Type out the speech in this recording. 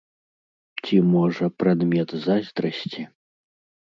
Ці, можа, прадмет зайздрасці?!